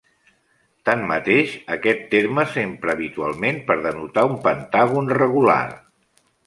Tanmateix, aquest terme s'empra habitualment per denotar un pentàgon regular.